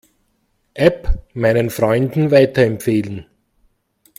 App meinen Freunden weiterempfehlen.